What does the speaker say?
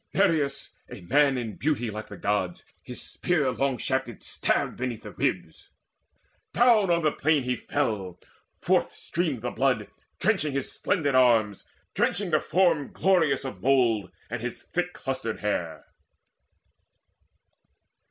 Nireus, a man in beauty like the Gods, His spear long shafted stabbed beneath the ribs, Down on the plain he fell, forth streamed the blood Drenching his splendid arms, drenching the form Glorious of mould, and his thick clustering hair.